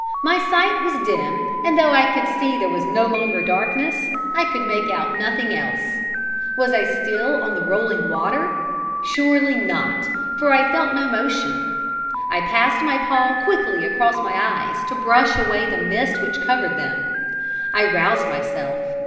My sight was dim, and though I could see there was no longer darkness, I could make out nothing else. Was I still on the rolling water? Surely not; for I felt no motion. I passed my paw quickly across my eyes to brush away the mist which covered them. I roused myself.